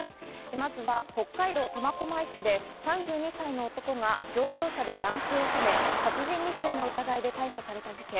まずは北海道苫小牧市で３２歳の男が乗用車で男性をはね、殺人未遂の疑いで逮捕された事件。